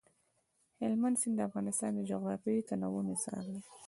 هلمند سیند د افغانستان د جغرافیوي تنوع مثال دی.